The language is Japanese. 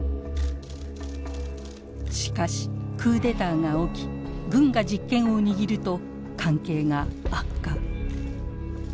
しかしクーデターが起き軍が実権を握ると関係が悪化。